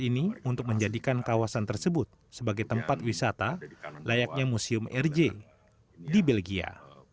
ini untuk menjadikan kawasan tersebut sebagai tempat wisata layaknya museum rj di belgia